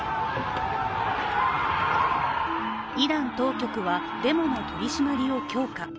イラン当局はデモの取り締まりを強化。